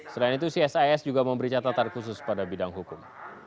selain itu csis juga memberi catatan khusus pada bidang hukum